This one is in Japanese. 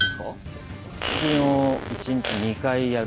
腹筋を一日２回やる。